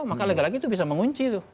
maka lagi lagi itu bisa mengunci itu